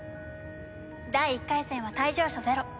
第１回戦は退場者ゼロ。